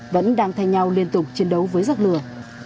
vẫn đang thay nhau liên tục chiến đấu với giặc lửa